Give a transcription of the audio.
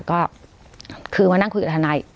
ก็คือมานั่งคุยกับทนาย